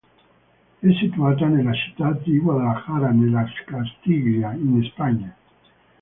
È situata nella città di Guadalajara, nella Castiglia, in Spagna.